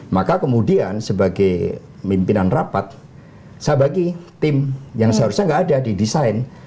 maka kemudian sebagai pimpinan rapat saya bagi tim yang seharusnya tidak ada didesain